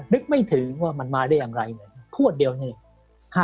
นึกไม่ถึงว่ามันมาได้อย่างไรเนี่ยขวดเดียวนี่